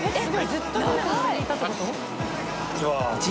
ずっと船の上にいたってこと？